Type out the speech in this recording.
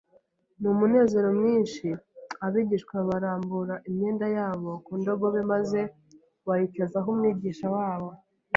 N'umunezero mwinshi, abigishwa barambura imyenda yabo ku ndogobe maze bayicazaho Umwigisha wabo